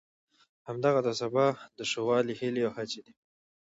همدغه د سبا د ښه والي هیلې او هڅې دي.